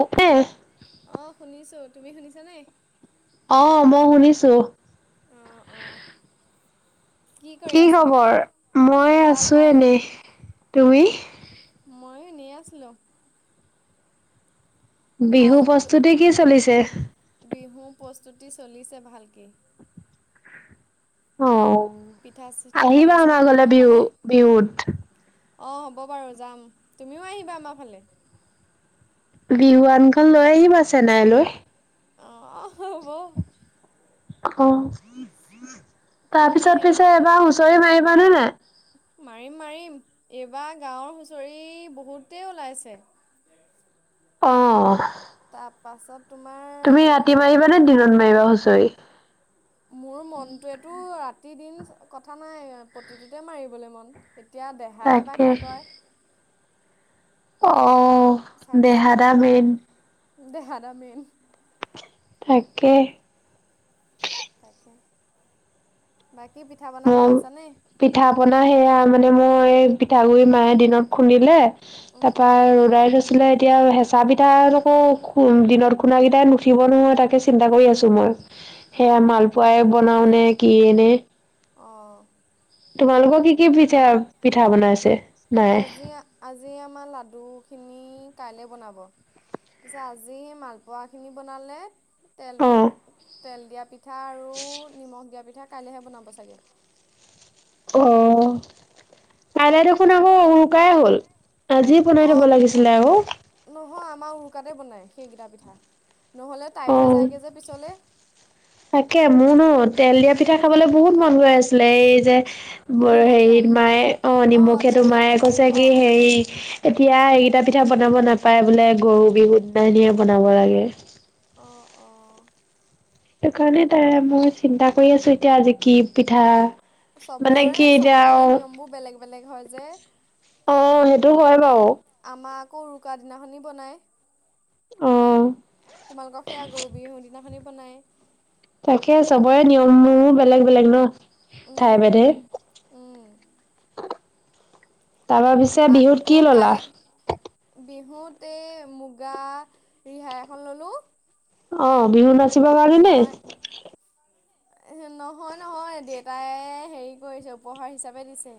উ [unintelligible] অ' শুনিছো, তুমি শুনিছা নাই? অ' মই শুনিছো। অঁ অঁ। কৰি কি আছা খবৰ? মই ভাল আছো ভাল এনেই তুমি। মইয়ো এনে আছিলোঁ। ভাল বিহু প্ৰস্তুতি কি চলিছে? বিহু প্ৰস্তুতি চলিছে ভালকে। পিঠা চিঠা অঁ আহিবা বনাইছেনে আমাৰ ঘৰলে তোমালোকৰ বিহু ফালে বিহুত। অঁ হ'ব বাৰু যাম তুমিও আহিবা আমাৰ ফালে। বিহুৱান খন লৈ আহিবা চেনাই লৈ। অঁ হব অ তাৰ তুমি পিছত হেৰি পিছে এবাৰ হুঁচৰি মাৰিবা নে নাই? মাৰিম মাৰিম এইবাৰ গাঁৱৰ হুঁচৰি বহুতেই ওলাইছে। অ'হ তাৰপাছত তুমি ৰাতি তোমাৰ মাৰিবা নে দিনত মাৰিবা হুঁচৰি? মোৰ মনটোৱেতো ৰাতি দিন কথা নাই প্ৰতিটোতে মাৰিবলৈ মন- এতিয়া দেহাই বা তাকে কি কয়। অ স্বাস্থ্যই দেহাদা কি মেইন। কয় দেহা দা মেইন, তাকে। তাকে বাকী পিঠা পনা মই বনাইছা নে? পিঠা পনা সেয়া মানে মই এই পিঠাগুৰি মায়ে দিনত খুন্দিলে তাৰ উম পৰা ৰ'দাই লৈ ছিলে এতিয়া হেঁচা পিঠা তোকো দিনত খুন্দা কেইটাই নুঠিব নহয় তাকে চিন্তা কৰি আছো মই, সেয়া অঁ মালপুৱাই বনাও নে কি এ নে' অঁ তোমালোকৰ কি কি পিঠা পিঠা বনাইছে? নাই আজি আজি আমাৰ লাডু খিনি কাইলৈ বনাব। তাৰপিছত আজি সেই মালপোৱাখিনি বনালে। তেল অ তেল দিয়া পিঠা আৰু নিমখ দিয়া পিঠা কাইলৈহে বনাব চাগে। অ কাইলে দেখোন আকৌ উৰুকাই হ'ল। আজি বনাই অঁ দিব লাগিছিলে আক,, নহয় আমাৰ উৰুকাতে বনায় সেইকেইটা পিঠা নহ'লে টাইট হৈ অ যায়গৈ যে পিছলৈ। তাকে মোৰনো তেল দিয়া পিঠা খাবলৈ বহুত মন গৈ আছিলে এই যে মোৰ নিমখীয়া হেৰিত মায়ে অ অঁ নিমখেটো তেল দিয়া মায়ে পিঠা কছে অঁ কি অঁ হেৰি এতিয়া এইকেইটা পিঠা বনাব নাপায় বোলে গৰু বিহু দিনাখনিয়ে বনাব লাগে। অঁঅঁ সেই কাৰণে তাই মই চিন্তা কৰি আছো এতিয়া আজি কি পিঠা মানে কি চবৰে এতিয়া চবৰ ফালে নিয়মবোৰ বেলেগ বেলেগ হয় যে। অ সেইটো হয় বাৰু। আমাৰ আকৌ উৰুকাৰ দিনাখনি বনায়। অ তোমালোকৰ সেয়া গৰু বিহুুৰ দিনাখনি বনাই। তাকে চবৰে নিয়মসমুহ বেলেগ বেলেগ ন? ঠাই উম ভেদে। উম তাৰপা পিছে বিহুত আকৌ কি ললা? কাইলৈ বিহুত এই মুগা ৰিহা এখন ল'লোঁ। অ বিহু নাচ মই নহয় নহয় দেউতাই হেৰি কৰিছে উপহাৰ হিচাপে দিছে।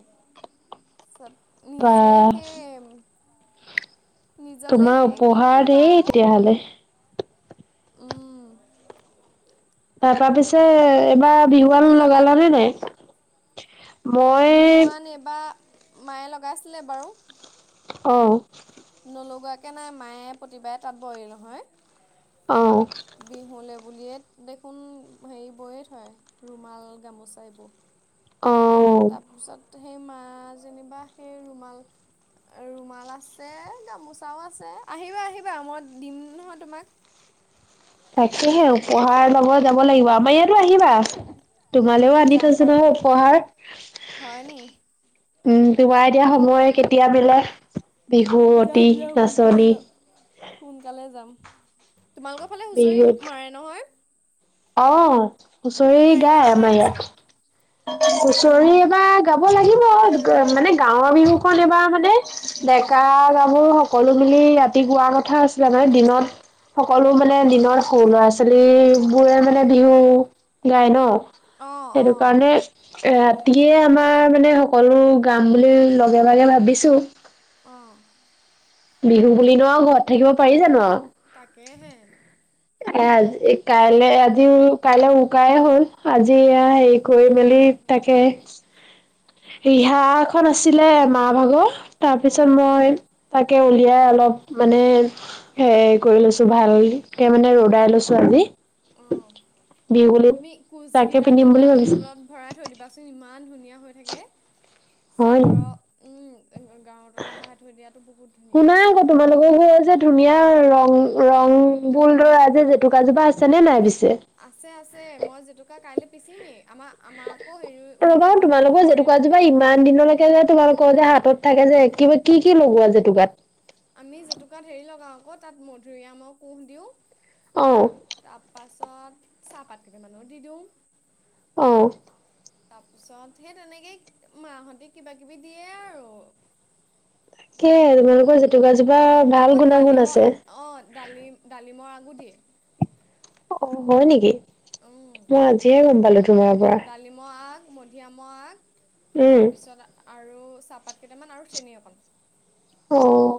চব, বা নিজে সেই নিজলে তোমাৰ সেই কিনো উপহাৰ ল'বা ধেৰ আৰু তেতিয়াহ'লে? উম। তাৰ পৰা পিছে এবাৰ তুমি বিহুৱান কি ল'লা? লগালানে নাই? মই বিহুৱান এইবাৰ মায়ে লগাইছিলে বাৰু। অ'। নলগাকৈ নাই মায়ে প্ৰতিবাৰে তাত বয়ে নহয়। অ'। বিহুলে বুলিয়েই দেখোন হেৰি বয়ে থয়, ৰুমাল, গামোচা এইবোৰ। অ'। তাৰপিছত সেই মা যেনিবা সেই ৰুমাল ৰুমাল আছে গামোচাও আছে, আহিবা আহিবা মই দিম নহয় তোমাক। তাকেহে উপহাৰ লব যাব লাগিব? আমাৰ ইয়াতো আহিবা। উম তোমালেও আনি যাম থৈছো বাৰু নহয় উপহাৰ? হয় নি? উম, তোমাৰ এতিয়া সময় কেতিয়া মিলে বিহুৱতি যাম যাম সোনকালে নাচনী। যাম। সোনকালে যাম, তোমালোকৰ ফালে হুঁচৰি বিহুত মাৰে নহয়? অ' তুমি হুঁচৰি মাৰিবানে গায় নাই আমাৰ পিছে? ইয়াত। হুচৰি এবাৰ গাব লাগিব, মানে গাঁওৰ বিহুখন এবাৰ মানে ডেকা অ'। গাভৰো সকলো মিলি ৰাতি গোৱা কথা আছিলে মানে। দিনত সকলো মানে দিনত সৰু ল'ৰা ছোৱালী বোৰে মানে বিহু গায় ন। অঁ সেইটো অঁ কাৰণে ৰাতিয়ে আমাৰ মানে সকলো গাম বুলি লগে ভাগে ভাবিছো। অ'। বিহু বুলি নো আৰু ঘৰত থাকিব পাৰি জানো? তাকেহে। আজ কাইলৈ আজি কাইলৈ উকায়ে হ'ল? আজি কা হেৰি কৰি কাইলৈ মেলি উৰুকাই হ'ল তাকে ৰিহা এখন আছিলে মা ভাগৰ, তাৰপিছত অঁ মই তাকে উলিয়াই অলপ মানে সেই কৰি লৈছো ভালকে মানে ৰ'দাই লৈছো আজি। অ' বিহু বুলি তুমি কোচ তাকে কিটা দি পিন্ধিম বুলি গাঁৰুৰ ভাবিছো তলত ভৰাই থৈ দিবাচোন ইমান ধুনীয়া হৈ থাকে। হয় নি? চাদৰ উম গাঁৰুৰ তলত ভৰাই থৈ দিয়াতো বহুত ধুনীয়া। শুনা আকৌ তোমালোকৰ হেই যে ধুনীয়া ৰং ৰংবুলধৰা যে জেতুকাজোপা আছেনে নাই পিছে? আছে, আছে। মই জেতুকা কাইলৈ পিচিমেই, আমাৰ আমাক অ হেৰি [unintelligible] ৰ'বা দিনাখনি এইবোৰ তোমালোকৰ কৰে জেতুকা নহয় জোপা ইমান দিনলৈকে যে তোমালোকৰ যে হাতত থাকে যে কিবা কি কি লগোৱা জেতুকাত? আমি জেতুকাত হেৰি লগাওঁ আকৌ, তাত মধুৰিআমৰ কোঁহ দিওঁ। অঁ। তাৰপাছত চাহপাত কেইটামানো দি দিওঁ অ' তাৰপিছত সেই তেনেকেই মাহঁতে কিবাকিবি দিয়ে আৰু। কেই তোমালোকৰ জেতুকা জোপা আকৌ ভাল গুণাগুণ ডালিমৰ আছে। অঁ ডালিম ডালিমৰ আগো দিয়ে। অ' হয় নেকি? মই আজিহে গ'ম পালো তোমাৰ পৰা। কালি [unintelligible] ধিয়ামৰ আগ, উম তাৰপিছত আৰু চাহপাত কেইটামান আৰু চেনি অকণ। অ',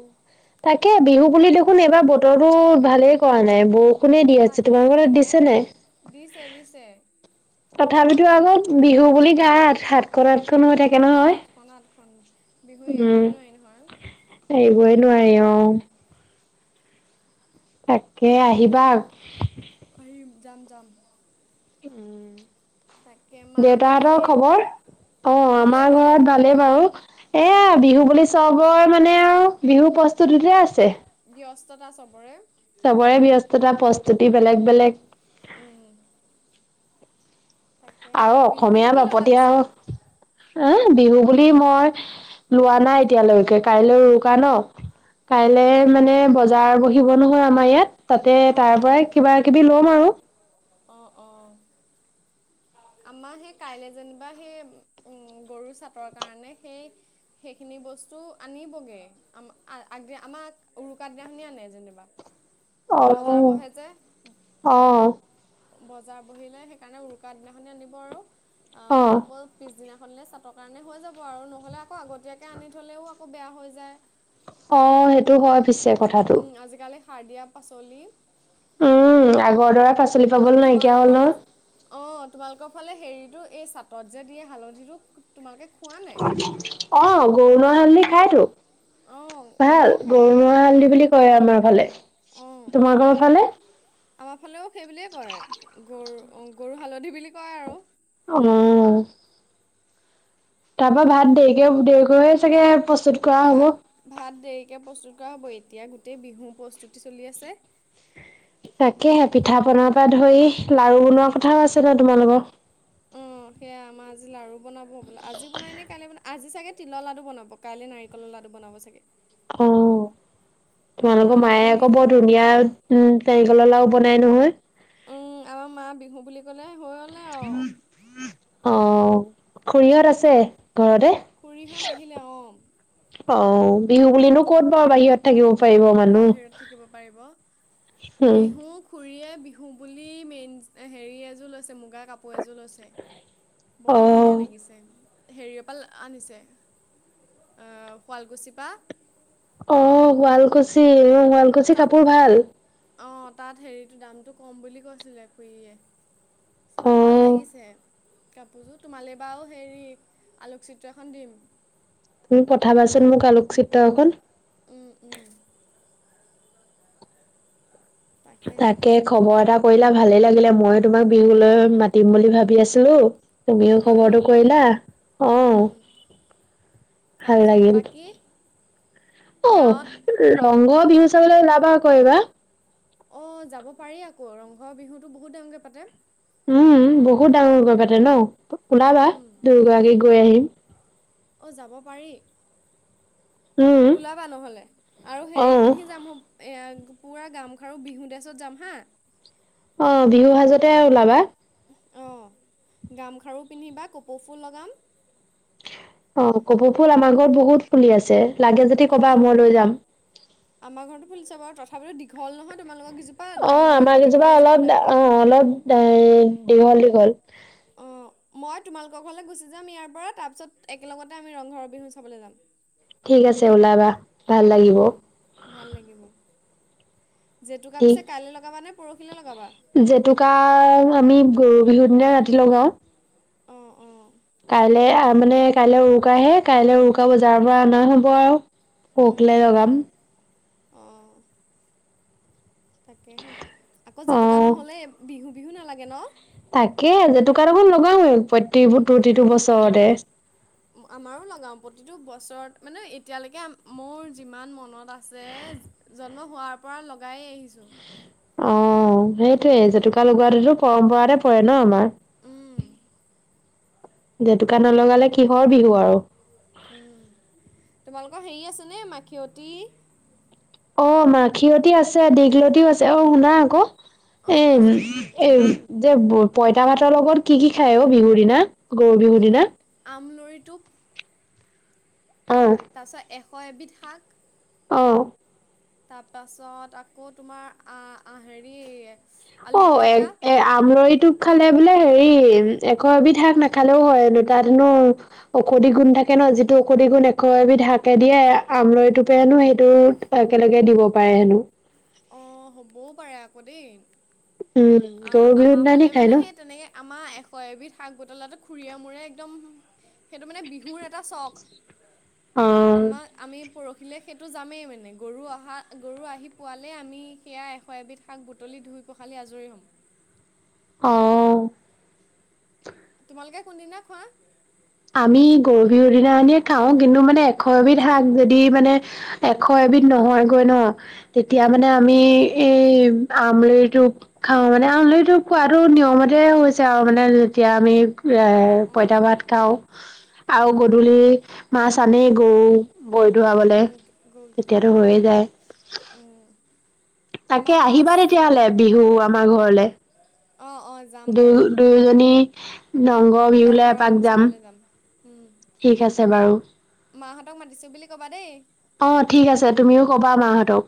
তাকে বিহু বুলি দেখোন এইবাৰ বতৰটো ভালেই কৰা নাই ব ষুণে দি আছে, তাকে হে তোমালোকৰ তাত অ দিছে নাই? দিছে দিছে। তথাপিতো আকৌ বিহু বুলি গা আত সাত। খনন আঠখন হৈ থাকে নহয়, সাতখন আঠখন বিহু এৰিবই নোৱাৰি নহয় উম। এৰিবা নোৱাৰি অ'। তাকে, আহিম যাম যাম। তাকে মাহঁতৰ দেউতাহঁতৰ ভালেই খবৰ? অ', আমাৰ ঘৰত ভালেই বাৰু। উম এয়া বিহু বুলি চবৰে মানে আৰু বিহু প্ৰস্তুতিতে আছে। ব্যস্ততা চবৰে। চবৰে ব্যস্ততা প্ৰস্তুতি বেলেগ বেলেগ। উম। তাকেহে আৰু বিহু অসমীয়া বুলি কি ল'লা বাপুতি পিছে সাহোন আহ বিহু বুলি মই লোৱা নাই এতিয়ালৈকে কাইলৈ উৰুকা ন? অঁ কাইলে মানে বজাৰ বহিব নহয় আমাৰ ইয়াত, তাতে অঁ তাৰ পৰাই কিবা কিবি ল'ম আৰু। অ', অ'। আমাৰ সেই কাইলৈ যেনিবা সেই গৰু চাটৰ কাৰণে সেই সেইখিনি বস্তু আনিবগে। আম আ-আগদি আমাক উৰুকা দিনাখনি আনে যেনিবা। অ বজাৰ বহে যে। অ বজাৰ বহিলে সেইকাৰণে উৰুকাৰ দিনাখনি আনিব আৰু আ, অ আকৌ পিছদিনাখন চা তৰ কাৰণে হৈ যাব আৰু নহ'লে আকৌ আগতীয়াকে আনি থ'লেও আকৌ বেয়া হৈ যায়। অ', সেইটো হয় পিছে। কথাটো উম, আজিকালি সাৰ দিয়া পাচলি। উম, আগৰ দৰা পাচলি পাবলৈ নাইকিয়া হ'ল তোমালোকৰ পাচ নহয়। অ', তোমালোকৰ ফালে হেৰিটো এই চাটত যে দিয়ে হালধিটো তোমালোকে খোৱা নাই অ', গৰু নোৱা হালধি খাইতো, অঁ ভাল আমাৰও খায় গৰু নোৱা ৱা হালধি বুলি কয় আমাৰ ফালে। অঁ তোমাৰ ঘৰ ফালে? আমাৰ ফালেও সেই বুলিয়েই কয় গৰ্-গৰু হালধি বুলি কয় আৰু। উম। তাৰ পৰা ভাত দেৰিকে দেৰিকৈয়ে চাগে প্ৰস্তুতি ভাত ভাত দেৰিকৈ প্ৰস্তুত কৰা হ'ব, এতিয়া গোটেই বিহু প্ৰস্তুতি চলি আছে। তাকেহে পিঠা পনাৰ পৰা ধৰি লাৰু বনোৱা কথাও আছিলে তোমালোকৰ। উম, সেয়া আমাৰ আজি লাাৰু বনাব হবলা, আজি বনাই নে কাইলৈ আজি চাগে তিলৰ লাডু বনাব। কাইলে নাৰিকলৰ লাডু বনাব চাগে। অ', মা তোমালোকৰ মায়ে দেখোন আকৌ বিহু বৰ ধুনীয়া উম, নাৰিকলৰ লাড়ু বনাই নহয়। উম, আমাৰ মা বিহু বুলি ক'লে হৈ হ'লে আৰু। অ', খুৰীহঁত আছে ঘৰতে? খুৰীহঁত আহিলে অ'। অ', বিহু বুলিনো ক'ত বাও বাহিৰত থাকিব পাৰিব বাহিৰত মানুহ থাকিব পাৰিব। উম বিহু খুৰীয়ে বিহু বুলি মেইন হেৰি এযোৰ লৈছে মুগাৰ কাপোৰ এযোৰ লৈছে। অ বহুত ধুনীয়া লাগিছে। হেৰিয়পাল আনিছে আ শুৱালকুছিৰ পৰা, অ শুৱালকুছি শুৱালকুছি কাপোৰ ভাল। অ তাত হেৰিটো দামটো কম বুলি কৈছিলে খুুৰীয়ে। চত ভাল অ লাগিছে। কাপোৰযোৰ তোমালৈ বাৰু হেৰি আলোকচিত্ৰ এখন দিম। মোক পঠাবাচোন মোক আলোকচিত্ৰ এখন। উম উম। তাকেহে তাকে, খবৰ এটা কৰিলা ভালেই লাগিলে ময়ো তোমাক বিহুলৈ মাতিম বুলি ভাবি আছিলো। তুমিও হয় নি খবৰটো কৰিলা, অ উম ভাল তাৰপিছত লাগিল। বাকী অ গাঁৱত ৰংগ বিহু চাবলে ওলাবা ক এইবাৰ, অ' যাব পাৰি আকৌ ৰংঘৰ বিহুতো বহুত ডাঙৰকে পাতে। উম বহুত ডাঙৰ গৈ পাতে ন, ওলাবা উম দুইগৰাকী গৈ আহিম। অঁ যাব পাৰি, উম ওলাবা নহ'লে, আৰু অ হেৰি পিন্ধি যাম এয়া পুৰা গামখাৰু বিহু ডেছত যাম হা। অ বিহুৰ সাজতে ওলাবা। অঁ গামখাৰু পিন্ধিবা কপৌফুল লগাম, অ' কপৌ ফুল আমাৰ ঘৰত বহুত ফুলি আছে লাগে যদি হয় কবা মই লৈ যাম। আমাৰ ঘৰতো ফুলিছে বাৰু তথাপিতো দীঘল নহয় তোমালোকৰ গিযোপ, অ আমাৰ গীজোপা অলপ অ অলপ দীঘল দীঘল, অঁ মই তোমালোকৰ ঘৰলৈ গুচি যাম ইয়াৰ পৰা তাৰপিছত একেলগতে আমি ৰংঘৰৰ বিহু চাবলৈ যাম। ঠিক আছে ওলাবা ভাল লাগিব। অঁ ভাল লাগিব। জেতুকা ঠিক পিছে কাইলৈ লগাবা নে পৰহিলৈ লগাবা, জেতুকা আমি গৰু বিহুৰ দিনাই ৰাতি লগাও, অঁ অঁ কাইলৈ মানে কাইলৈ উৰুকাহে কাইলৈ উৰুকা বজাৰৰ পৰা অনা হ'ব আৰু। পখিলে লগাম। অ তাকেহে, আকৌ অ জেতুকা নহ'লে বিহু বিহু নালাগে ন তাকে জেতুকা দেখুন লগাওৱে প্ৰতেক উম। প্ৰতিটো বছৰতে। আমাৰো লগাওঁ প্ৰতিটো বছৰত মানে এতিয়ালৈকে মোৰ যিমান মনত আছে, জন্ম হোৱাৰ পৰা লগাই আহিছোঁ। অ সেইটয়ে জেতুকা লগোৱাটোতো পৰম্পৰাতে পৰে ন আমাৰ। উম জেতুকা নলগালে কিহৰ বিহু আৰু! উম, তোমালোকৰ হেৰি আছে নে মাখিয়তী! অ মাখিয়তি আছে দীঘলতিও আছে অ শুনা আকৌ অঁ এ কোৱাচোন এই যে পঁইতা ভাতৰ লগত কি কি খাই অ বিহুৰ দিনা, গৰু বিহুৰ দিনা আমলৰী টোপ অ তাৰপিছত এশ এবিধ শাক। অহ। তাৰপাছত আকৌ তোমাৰ আ আ হেৰি আলু অ এ পিটিকা এয়া। আমলৈ টোপ খালে বোলে হেৰি এশ এবিধ শাক নাখালেও হয়নো তাত হেনো ঔষধি গুণ থাকে ন যিটো খুড়ী গুণ এশ এবিধ হাকে দিয়ে আমলৰিটোপে হেনো সেইটো একেলগে দিব পাৰে হেনো। অ হ'বও পাৰে আকৌ দেই উম আ গৰু বিহুৰ আমাৰ দিনাখনি ফালে খাই ন মানে সেই তেনেকে আমাৰ এশ এবিধ শাক বটলাটো খুুৰীয়ে মূৰে একদম সেইটো মানে বিহুৰ এটা চখ। আমাক আমি পৰহিলৈ সেইটো যামেই মানে গৰু অহা গৰু আহি পোৱালে আমি সেয়া এশ এবিধ শাক বুটলি ধুই পখালি আজৰি হ'ম। অহ। তোমালোকে কোনদিনা খোৱা? আমি গৰু বিহুৰ দিনাই আমি খাওঁ! কিন্তু মানে এশ এবিধ শাক যদি মানে এশ এবিধ নহয়গৈ ন তেতিয়া মানে অঁ আমি এই আমলি টোপ খাও মানে আমলিটোপ খাতটো নিয়মতে হৈছে আৰু মানে যেতিয়া আমি অঁ ৰাই অঁ পঁইতা ভাত খাওঁ আৰু অঁ গধূলি মাছ আনে গৰু ভৰি ধুৱাবলে উম গৰুক দিবলৈ তেতিয়াতো উম হৈয়ে যায়। উম। তাকে আমাৰো মাছ আহিবা তেতিয়াহ'লে বিহু আমাৰ ঘৰলে। অ অ দু দুয়োজনী দংগৰ বিহুুলে ৰংঘৰৰ এপাক বিহু যাম। চাবলৈ উম। ঠিক আছে বাৰু। মা হঁতক মাতিছো বুলি কবা দেই। অ ঠিক আছে তুমিও ক'বা মাহঁতক।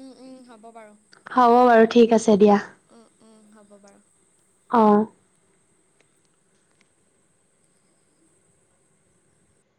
উম উম হ'ব বাৰু। হ'ব বাৰু ঠিক আছে দিয়া। উম উম হ'ব বাৰু। অঁহ।